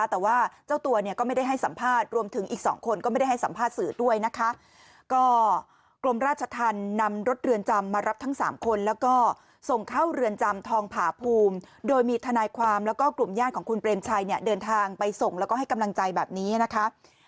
แต่ว่าเจ้าตัวเนี่ยก็ไม่ได้ให้สัมภาษณ์รวมถึงอีกสองคนก็ไม่ได้ให้สัมภาษณ์สื่อด้วยนะคะก็กรมราชธรรมนำรถเรือนจำมารับทั้งสามคนแล้วก็ส่งเข้าเรือนจำทองผาภูมิโดยมีทนายความแล้วก็กลุ่มญาติของคุณเปรมชัยเนี่ยเดินทางไปส่งแล้วก็ให้กำลังใจแบบนี้นะคะ